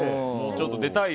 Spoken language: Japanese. もうちょっと出たいよ